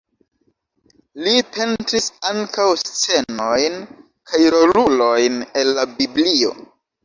Li pentris ankaŭ scenojn kaj rolulojn el la Biblio.